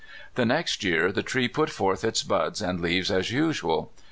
The next year the tree put forth its buds and leaves as usual.